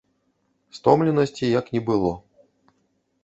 Стомленасці як не было.